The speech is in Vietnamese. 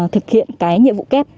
thực hiện nhiệm vụ kép